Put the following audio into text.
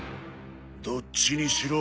どっちにしろ